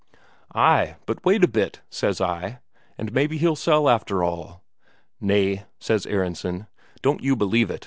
'Ay, but wait a bit,' says I, 'and maybe he'll sell after all.' 'Nay,' says Aronsen, 'don't you believe it.